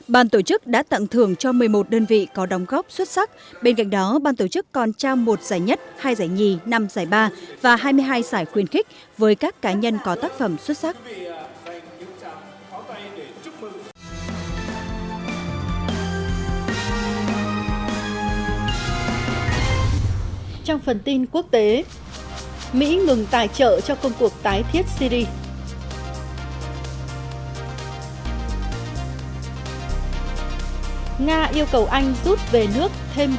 bàn tổ chức đã tặng thưởng cho một mươi một đơn vị có đóng góp xuất sắc bên cạnh đó bàn tổ chức còn trao một giải nhất hai giải nhì năm giải ba và hai mươi hai giải khuyên khích với các cá nhân có tác phẩm xuất sắc